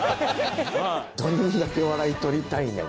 どんだけ笑い取りたいねん。